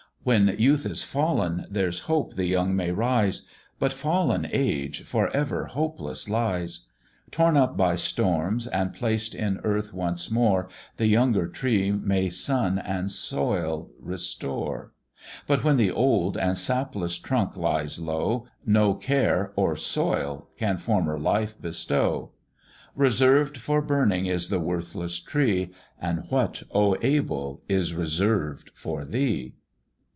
When youth is fallen, there's hope the young may rise, But fallen age for ever hopeless lies; Torn up by storms, and placed in earth once more, The younger tree may sun and soil restore; But when the old and sapless trunk lies low, No care or soil can former life bestow; Reserved for burning is the worthless tree And what, O Abel! is reserved for thee?"